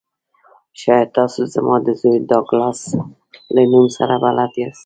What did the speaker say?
شاید تاسو زما د زوی ډګلاس له نوم سره بلد یاست